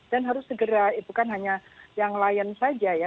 dan harus segera bukan hanya yang layan saja ya